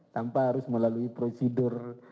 tanpa harus melalui prosedur